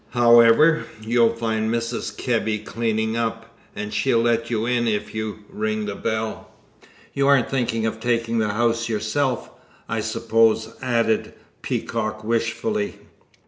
However, you'll find Mrs. Kebby cleaning up, and she'll let you in if you ring the bell. You aren't thinking of taking the house yourself, I suppose?" added Peacock wishfully.